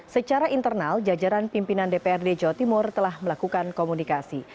secara internal jajaran pimpinan dprd jawa timur telah melakukan komunikasi